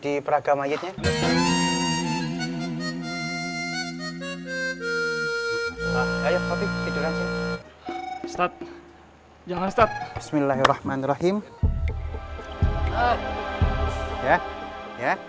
ustadz ustadz ustadz deh udah udah tuh